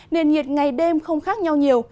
nền nhiệt ngày đêm không khác nhau nhiều